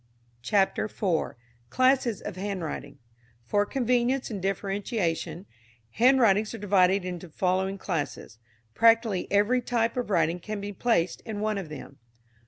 CHAPTER IV. CLASSES OF HANDWRITING. For convenience in differentiation, handwritings are divided into the following classes. Practically every type of writing can be placed in one of them.